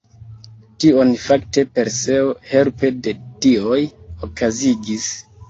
Tion fakte Perseo helpe de dioj okazigis.